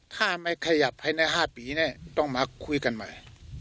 ถ้าไม่ขยับภายใน๕ปีต้องมาคุยกันใหม่